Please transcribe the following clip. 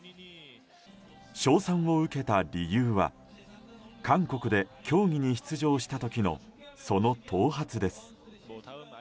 称賛を受けた理由は韓国で競技に出場した時のその頭髪です。